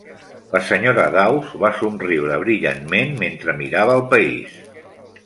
La senyora Dawes va somriure brillantment mentre mirava el país.